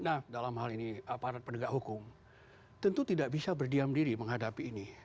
nah dalam hal ini aparat penegak hukum tentu tidak bisa berdiam diri menghadapi ini